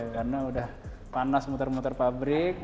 karena sudah panas muter muter pabrik